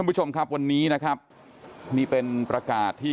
คุณผู้ชมครับวันนี้นะครับนี่เป็นประกาศที่